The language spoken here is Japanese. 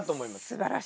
すばらしい！